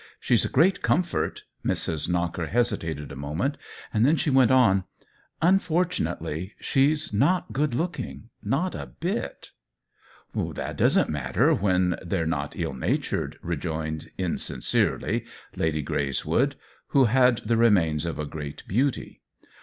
She's a great comfort." Mrs. Knocker hesitated a moment, then she went on :" Unfortunate ly, she's not good looking — not a bit.'* "That doesn't matter, when they're not ill natured," rejoined, insincerely, Lady Greys wood, who had the remains of great beauty.